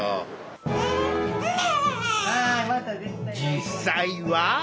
実際は。